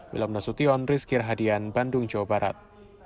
wilham nasution rizkir hadian bandung jawa barat